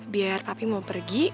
biar papi mau pergi